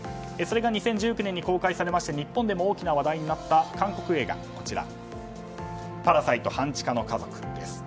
それが２０１９年に公開され日本でも大きな話題になった韓国映画「パラサイト半地下の家族」。